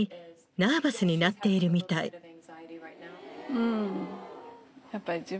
うん。